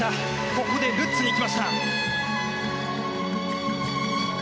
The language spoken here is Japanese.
ここでルッツにいきました。